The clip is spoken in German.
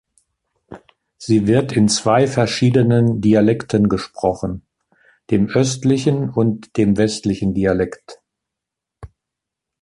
Sie wird in zwei verschiedenen Dialekten gesprochenen: Dem östlichen und dem westlichen Dialekt.